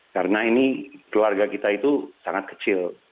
karena ini keluarga kita itu sangat kecil